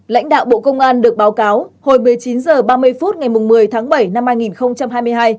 lãnh đạo bộ công an được báo cáo hồi một mươi chín h ba mươi phút ngày một mươi tháng bảy năm hai nghìn hai mươi hai